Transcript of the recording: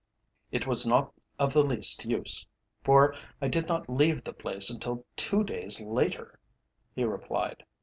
"It was not of the least use, for I did not leave the place until two days later," he replied.